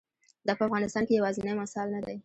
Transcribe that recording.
دا په افغانستان کې یوازینی مثال نه دی.